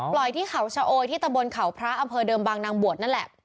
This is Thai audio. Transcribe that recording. อ๋อปล่อยที่เขาเช้าอ๋อยที่ตะบนเขาพระอำเภอเดิมบางนางบวชนั่นแหละ